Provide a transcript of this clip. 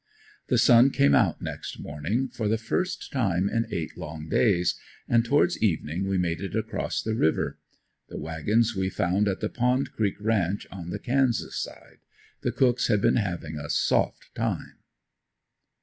The sun came out next morning for the first time in eight long days and towards evening we made it across the river. The wagons we found at the "Pond Creek" ranch on the Kansas line. The cooks had been having a soft time.